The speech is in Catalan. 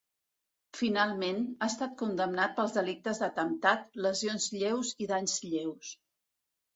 Finalment, ha estat condemnat pels delictes d’atemptat, lesions lleus i danys lleus.